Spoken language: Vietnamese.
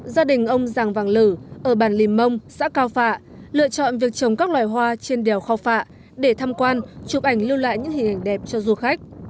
gia đình ông giàng vàng lử ở bản lìm mông xã cao phạ lựa chọn việc trồng các loài hoa trên đèo khao phạ để tham quan chụp ảnh lưu lại những hình ảnh đẹp cho du khách